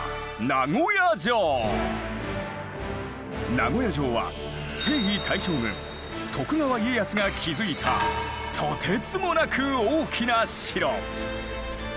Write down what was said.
名古屋城は征夷大将軍徳川家康が築いたとてつもなく大きな城。